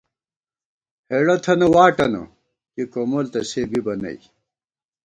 ہېڑہ تھنہ واٹَنہ ، کی کومول تہ سے بِبہ نئ